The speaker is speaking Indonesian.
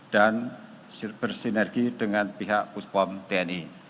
dan bersinergi dengan pihak puspo tni